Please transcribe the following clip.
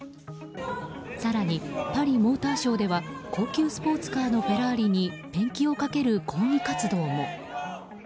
更にパリモーターショーでは高級スポーツカーのフェラーリにペンキをかける抗議活動も。